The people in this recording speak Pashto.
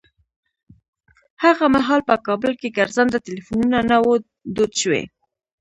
هغه مهال په کابل کې ګرځنده ټليفونونه نه وو دود شوي.